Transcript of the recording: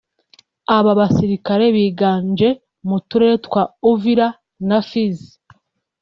Aba basirikare biganje mu turere twa Uvira na Fizi